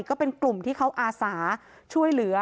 ก็เป็นกลุ่มที่เขาอาสาช่วยเหลือ